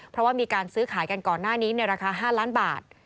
เพราะว่ามีการซื้อขายกันก่อนหน้านี้ในราคา๕ล้านบาท